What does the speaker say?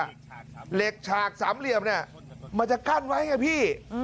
เหล็กฉากสามเหลี่ยมเนี่ยมันจะกั้นไว้ไงพี่